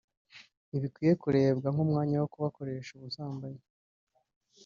ntibikwiye kurebwa nk’umwanya wo kubakoresha ubusambanyi